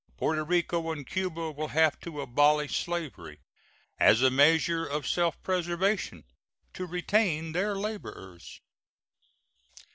Porto Rico and Cuba will have to abolish slavery, as a measure of self preservation, to retain their laborers.